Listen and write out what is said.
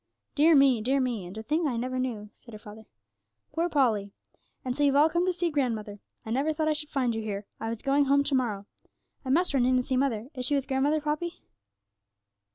'Dear me, dear me; and to think I never knew,' said her father. 'Poor Polly! And so you've all come to see grandmother. I never thought I should find you here; I was going home to morrow. I must run in and see mother. Is she with grandmother, Poppy?'